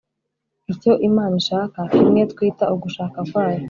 icyo imana ishaka kimwe twita ugushaka kwayo